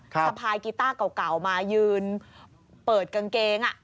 สะพายกีต้าเก่ามายืนเปิดกางเกง